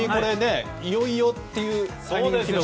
いよいよというね。